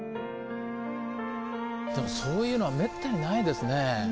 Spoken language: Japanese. でもそういうのはめったにないですね。